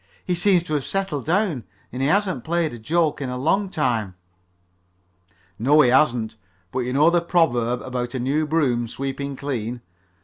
"He seems to have settled down, and he hasn't played a joke in a long time." "No, he hasn't. But you know the proverb about a new broom sweeping clean.